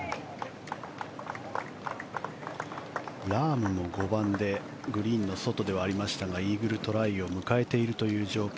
ラームも５番でグリーンの外ではありましたがイーグルトライを迎えているという状況。